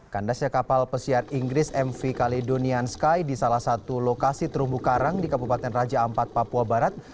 kandasnya kapal pesiar inggris mv caledonian sky di salah satu lokasi terumbu karang di kabupaten raja ampat papua barat